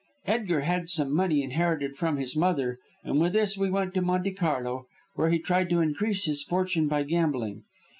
Edgar had some money inherited from his mother, and with this we went to Monte Carlo, where he tried to increase his fortune by gambling.